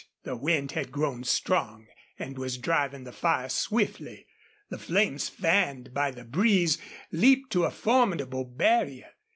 The wind had grown strong and was driving the fire swiftly. The flames, fanned by the breeze, leaped to a formidable barrier.